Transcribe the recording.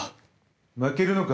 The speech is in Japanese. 負けるのか？